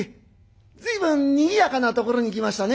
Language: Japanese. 随分にぎやかなところに来ましたね」。